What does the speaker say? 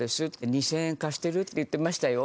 「２０００円貸してるって言ってましたよ」